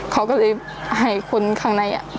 เขาก็เลยให้คนข้างใน